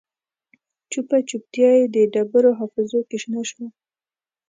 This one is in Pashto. چوپه چوپتیا یې د ډبرو حافظو کې شنه شوه